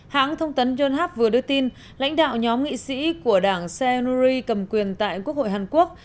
hãng thông tấn john hap vừa đưa tin lãnh đạo nhóm nghị sĩ của đảng seonuri cầm quyền tại quốc hội hàn quốc